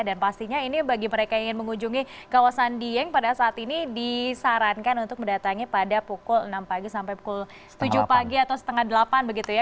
dan pastinya ini bagi mereka yang ingin mengunjungi kawasan dieng pada saat ini disarankan untuk mendatangi pada pukul enam pagi sampai pukul tujuh pagi atau setengah delapan begitu ya